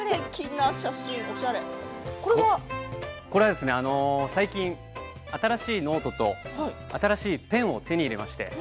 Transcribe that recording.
これは最近新しいノートと新しいペンを手に入れました。